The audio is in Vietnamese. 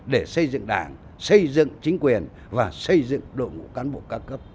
để xây dựng đảng xây dựng chính quyền và xây dựng đội ngũ cán bộ ca cấp